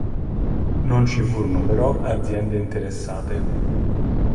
Non ci furono però aziende interessate.